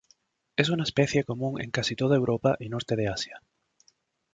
Es una especie común en casi toda Europa y norte de Asia.